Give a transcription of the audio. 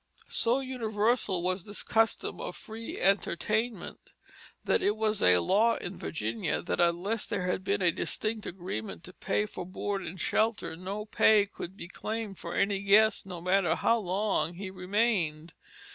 So universal was this custom of free entertainment that it was a law in Virginia that unless there had been a distinct agreement to pay for board and shelter, no pay could be claimed from any guest, no matter how long he remained.